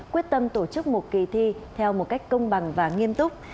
quyết tâm tổ chức một kỳ thi theo một cách công bằng và nghiêm túc